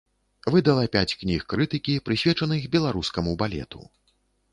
Выдала пяць кніг крытыкі, прысвечаных беларускаму балету.